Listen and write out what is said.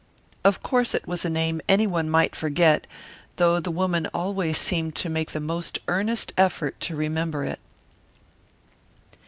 Of course it was a name any one might forget, though the woman always seemed to make the most earnest effort to remember it.